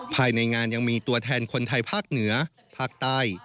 ภายในงานยังมีตัวแทนคนไทยภาคเหนือภาคใต้